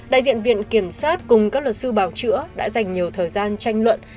đại diện viện kiểm soát cùng các luật sư bào chữa đã dành nhiều thời gian tranh luận